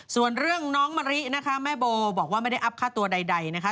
ส่วนเรื่องน้องมะรินะคะแม่โบบอกว่าไม่ได้อัพค่าตัวใดนะคะ